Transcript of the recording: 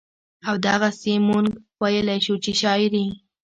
او دغسې مونږ وئيلے شو چې شاعري